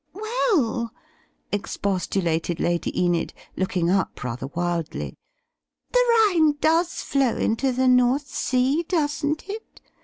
"Well," expostulated Lady Enid, looking up rather wildly, "The Rhine does flow into the North Sea, doesn't it?"